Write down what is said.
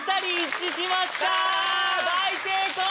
大成功！